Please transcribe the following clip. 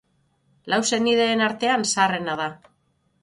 Lau senideen artean zaharrena da.